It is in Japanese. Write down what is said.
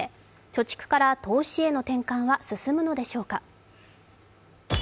貯蓄から投資への転換は進むのでしょうか。